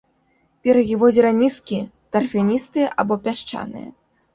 Берагі возера нізкія, тарфяністыя або пясчаныя.